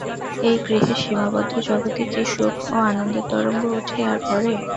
এই গৃহের সীমাবদ্ধ জগতে কি সুখ ও আনন্দের তরঙ্গ ওঠে আর পড়ে?